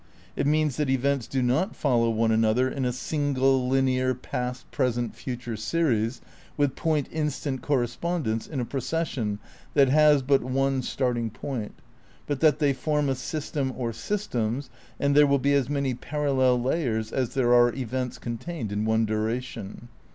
It means that events do not follow one another in a single linear, past, present, future series with point instant correspondence in a procession that has but one start ing point ; but that they form a system or systems, and there will be as many parallel layers as there are events contained in one duration.